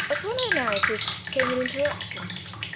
Upon her narrative came an interruption.